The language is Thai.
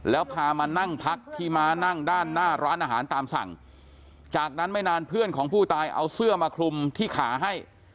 แล้วพามานั่งพักที่ม้านั่งด้านหน้าร้านอาหารตามสั่งจากนั้นไม่นานเพื่อนของผู้ตายเอาเสื้อมาคลุมที่ขาให้